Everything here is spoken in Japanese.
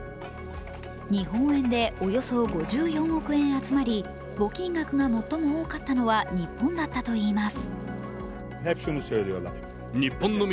日本円でおよそ５４億円集まり、募金額が最も多かったのは日本だったといいます。